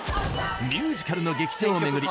ミュージカルの劇場を巡り